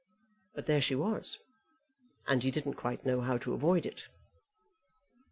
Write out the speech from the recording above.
But there she was, and he didn't quite know how to avoid it.